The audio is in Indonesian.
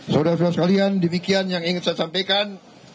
saudara saudara sekalian demikian yang ingin saya sampaikan